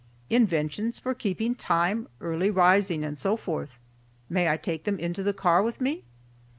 "Inventions for keeping time, early rising, and so forth. May I take them into the car with me?"